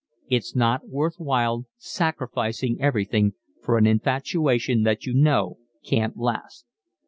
"It's not worth while sacrificing everything for an infatuation that you know can't last.